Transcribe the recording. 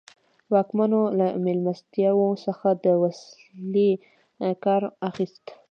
واکمنو له مېلمستیاوو څخه د وسیلې کار اخیست.